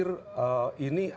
itu akan menjadi topik kita